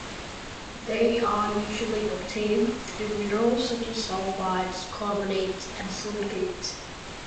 They are usually obtained through minerals such as sulfides, carbonates, and silicates.